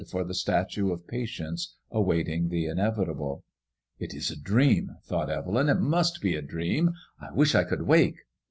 for the statue of patience await* ing the inevitable. It is a dream/' thought Evelyn; ^Mt must be a dream. I wish I could wake.''